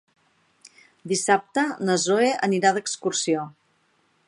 Dissabte na Zoè anirà d'excursió.